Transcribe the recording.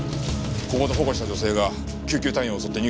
ここで保護した女性が救急隊員を襲って逃げた。